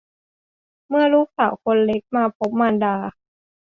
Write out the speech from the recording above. เมื่อลูกสาวคนเล็กมาพบมารดา